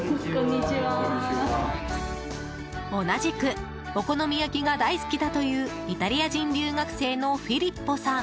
同じくお好み焼きが大好きだというイタリア人留学生のフィリッポさん。